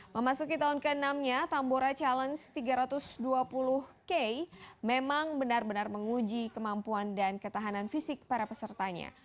memasuki tahun ke enam nya tambora challenge tiga ratus dua puluh k memang benar benar menguji kemampuan dan ketahanan fisik para pesertanya